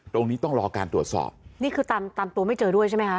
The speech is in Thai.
ต้องรอการตรวจสอบนี่คือตามตามตัวไม่เจอด้วยใช่ไหมคะ